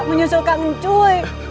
menyusul kangen cuy